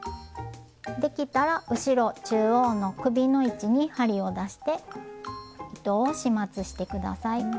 できたら後ろ中央の首の位置に針を出して糸を始末して下さい。